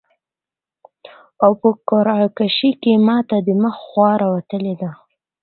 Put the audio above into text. او په قرعه کشي کي ماته د مخ خوا راوتلي ده